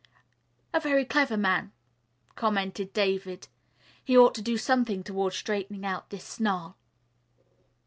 "A very clever man," commented David. "He ought to do something toward straightening out this snarl."